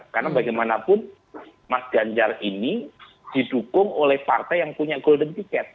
karena bagaimanapun mas ganjar ini didukung oleh partai yang punya golden ticket